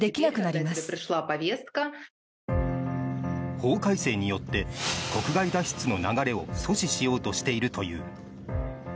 法改正によって国外脱出の流れを阻止しようとしているという。